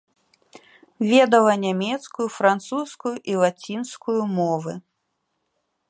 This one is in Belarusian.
Ведала нямецкую, французскую і лацінскую мовы.